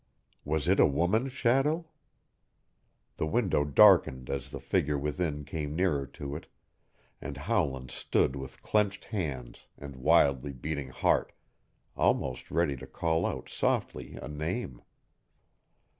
Was it a woman's shadow? The window darkened as the figure within came nearer to it, and Howland stood with clenched hands and wildly beating heart, almost ready to call out softly a name.